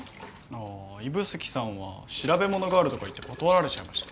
あ指宿さんは調べものがあるとか言って断られちゃいました。